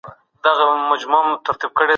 ګاونډی هیواد مالي مرسته نه کموي.